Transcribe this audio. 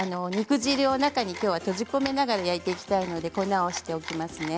肉汁の中に閉じ込めながら焼いていきたいので粉をしておきますね。